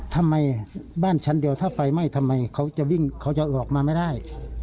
ทำไมบ้านชั้นเดียวถ้าไฟไหม้ทำไมเขาจะวิ่งเขาจะออกมาไม่ได้